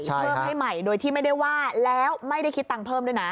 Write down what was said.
เพิ่มให้ใหม่โดยที่ไม่ได้ว่าแล้วไม่ได้คิดตังค์เพิ่มด้วยนะ